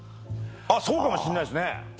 あっそうかもしんないですね。